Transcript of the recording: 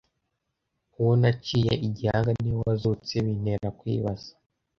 uwo naciye igihanga ni we wazutse bintera kwibaza